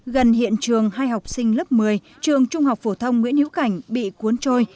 gần hiện trường hai học sinh lớp một mươi trường trung học phổ thông nguyễn hiếu cảnh bị cuốn trôi